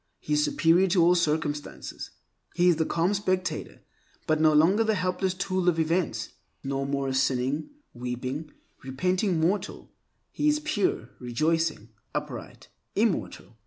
He is superior to all circumstances. He is the calm spectator, but no longer the helpless tool, of events. No more a sinning, weeping, repenting mortal, he is pure, rejoicing, upright immortal.